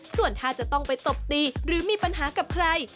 ส่วนถ้าจะต้องไปตบตีหรือมีปัญหากับใคร